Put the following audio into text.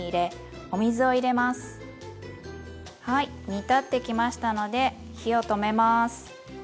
煮立ってきましたので火を止めます。